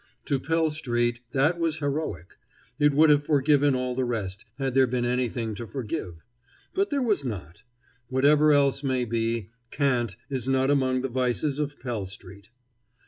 To Pell street that was heroic. It would have forgiven all the rest, had there been anything to forgive. But there was not. Whatever else may be, cant is not among the vices of Pell street.